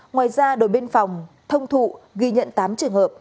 ngoài ra đồn biên phòng thông thụ ghi nhận tám trường hợp